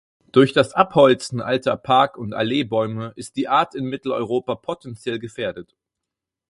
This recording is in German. Durch das Abholzen alter Park- und Alleebäume ist die Art in Mitteleuropa potentiell gefährdet.